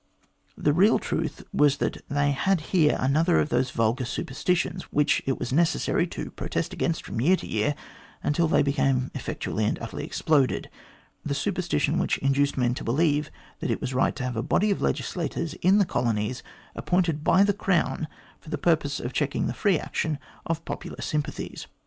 The real truth was that they had here another of those vulgar superstitions, which it was necessary to protest against from year to year, until they became effectually and utterly exploded the superstition which induced men to believe that it was right to have a body of legislators in the colonies appointed by the Crown for the purpose of checking the free action of popular sympathies.